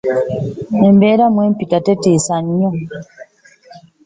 Embeera mwe mpita tetiisa nnyo.